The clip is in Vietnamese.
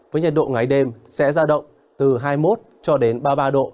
với nhiệt độ ngày đêm sẽ ra động từ hai mươi một cho đến ba mươi ba độ